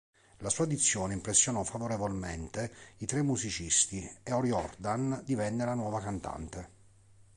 La sua audizione impressionò favorevolmente i tre musicisti e O'Riordan divenne la nuova cantante.